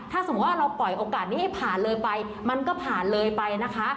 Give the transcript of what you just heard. ถ้าสมมุติว่าเราปล่อยโอกาสนี้ให้ผ่านเลยไปมันก็ผ่านเลยไปนะคะ